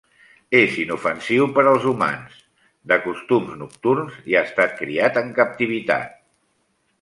És inofensiu per als humans, de costums nocturns i ha estat criat en captivitat.